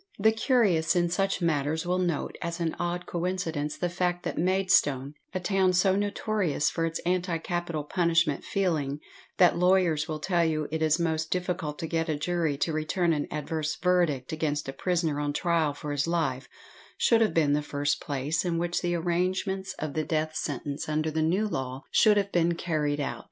The curious in such matters will note as an odd coincidence the fact that Maidstone a town so notorious for its anti capital punishment feeling, that lawyers will tell you it is most difficult to get a jury to return an adverse verdict against a prisoner on trial for his life should have been the first place in which the arrangements of the death sentence under the new law should have been carried out.